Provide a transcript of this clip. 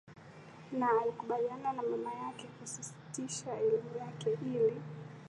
Na alikubaliana na mama yake kusitisha elimu yake ili